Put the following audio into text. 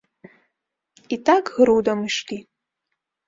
І так грудам ішлі.